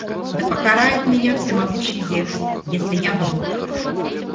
Да покарает меня всемогущий Зевс, если я вру!